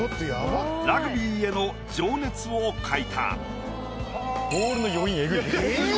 ラグビーへの情熱を描いた。